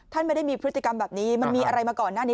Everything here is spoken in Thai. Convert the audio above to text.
ไม่ได้มีพฤติกรรมแบบนี้มันมีอะไรมาก่อนหน้านี้